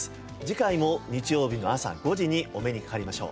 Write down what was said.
次回も日曜日の朝５時にお目にかかりましょう。